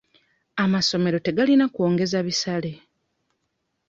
Amasomero tegalina kwongeza bisale.